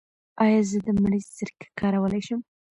ایا زه د مڼې سرکه کارولی شم؟